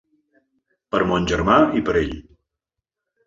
Per mon germà i per ell.